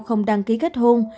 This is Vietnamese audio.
không đăng ký kết hôn